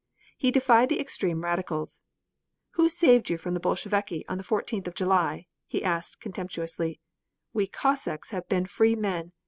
He defied the extreme Radicals. "Who saved you from the Bolsheviki on the 14th of July?" he asked contemptuously. "We Cossacks have been free men.